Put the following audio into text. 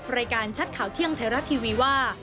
รายการชัดข่าวเที่ยงไทยรัฐทีวีว่า